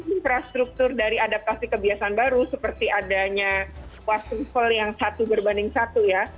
infrastruktur dari adaptasi kebiasaan baru seperti adanya wastemfle yang satu berbanding satu ya